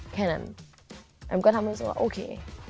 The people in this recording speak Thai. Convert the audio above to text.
แค่นั้นแอมก็ทำให้รู้สึกว่าโอเค